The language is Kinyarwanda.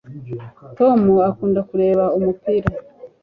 tom akunda kureba umupira